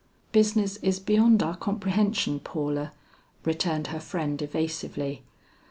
"Business is beyond our comprehension, Paula," returned her friend evasively.